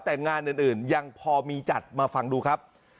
แต่งานอื่นยังพอมีจัดมาฟังดูครับ